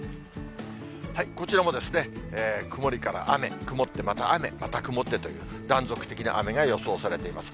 こちらも曇りから雨、曇ってまた雨、また曇ってという、断続的な雨が予想されています。